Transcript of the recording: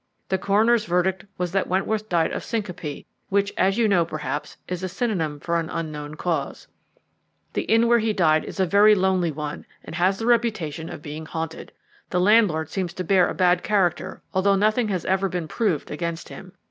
The coroner's verdict was that Wentworth died of syncope, which, as you know perhaps, is a synonym for an unknown cause. The inn where he died is a very lonely one, and has the reputation of being haunted. The landlord seems to bear a bad character, although nothing has ever been proved against him.